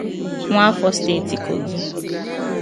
nwaafọ steeti Kogi